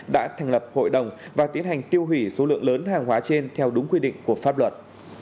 đã thành lập hội đồng và tiến hành tiêu hủy số lượng lớn hàng hóa trên theo đúng quy định của pháp luật